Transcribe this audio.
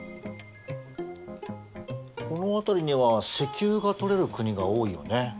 この辺りには石油がとれる国が多いよね。